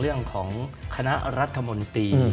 เรื่องของคณะรัฐมนตรี